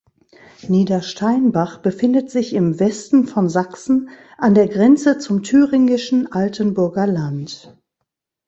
Niedersteinbach befindet sich im Westen von Sachsen an der Grenze zum thüringischen Altenburger Land.